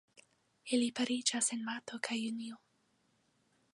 Ili pariĝas en marto kaj junio.